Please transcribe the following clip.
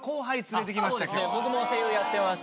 僕も声優やってます